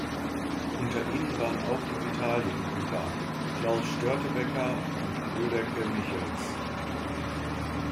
Unter ihnen waren auch die Vitalienbrüder, Klaus Störtebeker und Gödeke Michels.